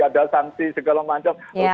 ada sanksi segala macam